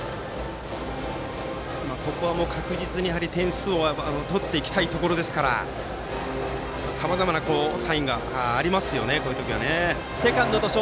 ここは確実に点数を取っていきたいところですからさまざまなサインがありますよね、こういう時は。